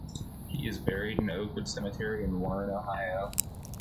He is buried in Oakwood Cemetery in Warren, Ohio.